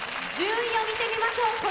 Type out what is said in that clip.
順位を見てみましょう。